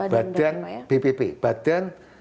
badan bpp ya